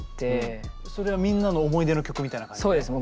それはみんなの思い出の曲みたいな感じで？